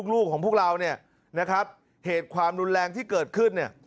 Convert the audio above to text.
ลูกของพวกเราเนี่ยนะครับเหตุความรุนแรงที่เกิดขึ้นเนี่ย